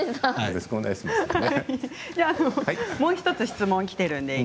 もう１つ質問がきています。